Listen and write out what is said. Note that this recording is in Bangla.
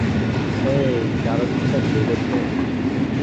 হেই, জারজটা জেগেছে।